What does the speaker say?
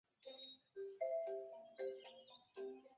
首府为伊苏兰。